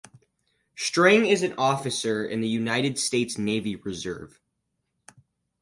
String is an officer in the United States Navy Reserve.